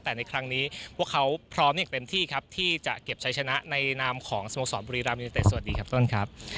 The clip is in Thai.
แต่ในครั้งนี้พวกเขาพร้อมอย่างเต็มที่ครับที่จะเก็บใช้ชนะในนามของสโมสรบุรีรามยูนิเตะสวัสดีครับต้นครับ